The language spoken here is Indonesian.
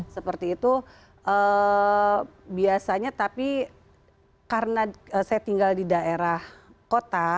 seperti itu biasanya tapi karena saya tinggal di daerah kota